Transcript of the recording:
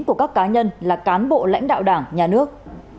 của các cá nhân là cán bộ lãnh đạo đảng nhà nước